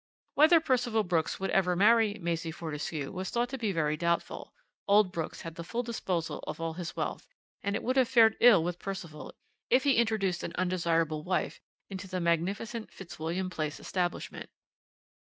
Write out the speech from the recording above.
"Whether Percival Brooks would ever marry Maisie Fortescue was thought to be very doubtful. Old Brooks had the full disposal of all his wealth, and it would have fared ill with Percival if he introduced an undesirable wife into the magnificent Fitzwilliam Place establishment.